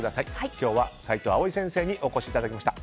今日はサイトウアオイ先生にお越しいただきました。